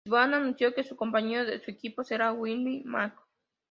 Swann anunció que su compañero de equipo será Willie Mack.